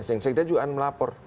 sekdanya juga melapor